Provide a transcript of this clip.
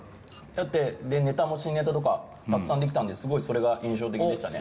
でネタも新ネタとかたくさんできたんですごいそれが印象的でしたね。